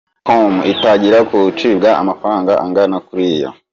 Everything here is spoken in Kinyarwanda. com itari gucibwa amafaranga angana kuriya.